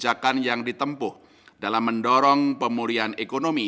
dan kebijakan yang ditempuh dalam mendorong pemulihan ekonomi